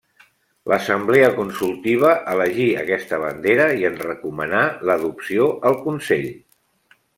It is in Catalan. L'Assemblea Consultiva elegí aquesta bandera i en recomanà l'adopció al consell.